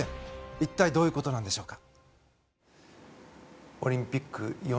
一体どういう事なんでしょうか。